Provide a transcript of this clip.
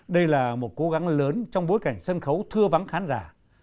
đây là một cố gắng lớn trong bối cảnh sân khấu thưa vắng khán giả